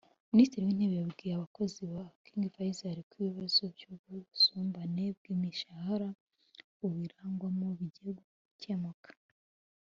Minisitiri w’Intebe yabwiye abakozi ba King Faisal ko ibibazo by’ubusumbane bw’imishahara bubirangwamo bigiye gukemuka